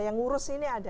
yang ngurus ini ada